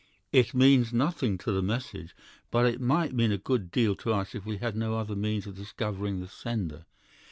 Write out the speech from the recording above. "'It means nothing to the message, but it might mean a good deal to us if we had no other means of discovering the sender.